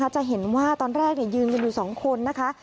จะเห็นว่าตอนแรกยืนกันอยู่๒คนนะคะ